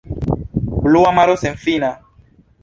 Blua maro senfina!